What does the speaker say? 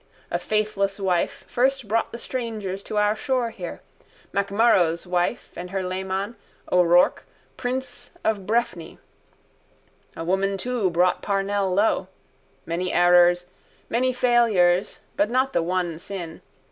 A faithless wife first brought the strangers to our shore here, MacMurrough's wife and her leman, O'Rourke, prince of Breffni. A woman too brought Parnell low. Many errors, many failures but not the one sin.